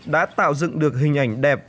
đã tạo dựng được hình ảnh đẹp